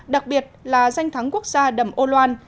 đặc biệt là danh thắng quốc gia đầm âu loan